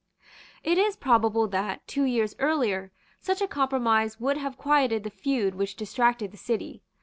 It is probable that, two years earlier, such a compromise would have quieted the feud which distracted the City.